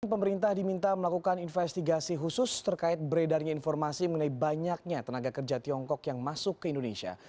pemerintah diminta melakukan investigasi khusus terkait beredarnya informasi mengenai banyaknya tenaga kerja tiongkok yang masuk ke indonesia